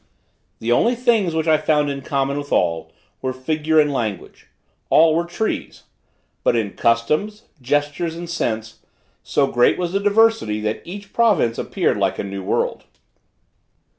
The only things which I found in common with all, were figure and language. All were trees. But in customs, gestures, and sense, so great was the diversity, that each province appeared like a new world.